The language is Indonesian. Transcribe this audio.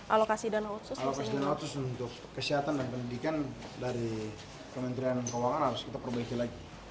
alokasi dana otsus dan otsus untuk kesehatan dan pendidikan dari kementerian keuangan harus kita perbaiki lagi